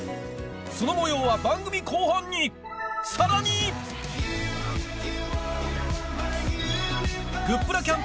その模様は番組後半にさらに！に決定！